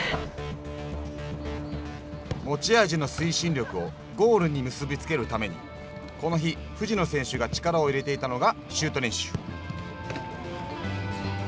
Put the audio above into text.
持ち味の推進力をゴールに結び付けるためにこの日、藤野選手が力を入れていたのがシュート練習。